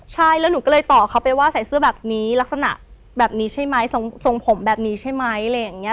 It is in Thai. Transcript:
ใช่แล้วหนูก็เลยต่อเขาไปว่าใส่เสื้อแบบนี้ลักษณะแบบนี้ใช่ไหมทรงผมแบบนี้ใช่ไหมอะไรอย่างนี้